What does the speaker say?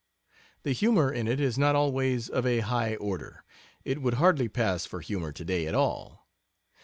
The humor in it is not always of a high order; it would hardly pass for humor today at all.